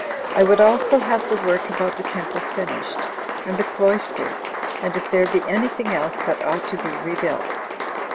I would also have the work about the temple finished, and the cloisters, and if there be any thing else that ought to be rebuilt.